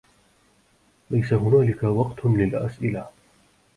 ليس هناك وقت للأسئلة.